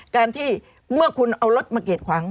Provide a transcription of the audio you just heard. การที่เมื่อคุณเอารถมากีดขวาง